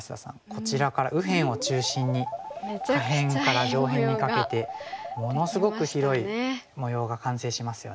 こちらから右辺を中心に下辺から上辺にかけてものすごく広い模様が完成しますよね。